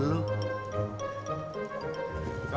ada bukaan instead